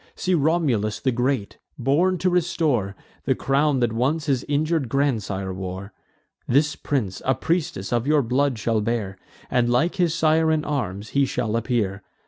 See Romulus the great, born to restore The crown that once his injur'd grandsire wore. This prince a priestess of your blood shall bear, And like his sire in arms he shall appear.